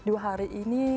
kedua hari ini